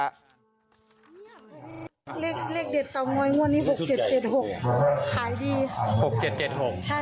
เรียกเด็ดต่อง้อยงวดนี้๖๗๗๖